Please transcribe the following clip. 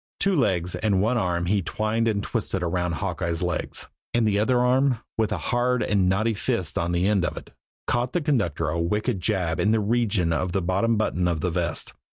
Two legs and one arm he twined and twisted around Hawkeye's legs; and the other arm, with a hard and knotty fist on the end of it, caught the conductor a wicked jab in the region of the bottom button of the vest.